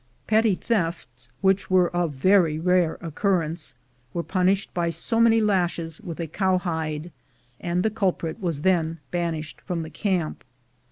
Petty thefts, which were of very rare occurrence, were punished by so many lashes with a cowhide, and the culprit was then banished from the camp.